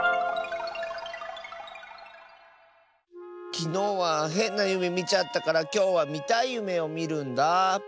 きのうはへんなゆめみちゃったからきょうはみたいゆめをみるんだあ。